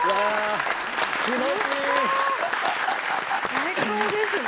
最高ですね！